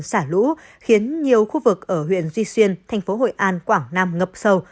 xả lũ khiến nhiều khu vực ở huyện duy xuyên thành phố hội an quảng nam ngập sâu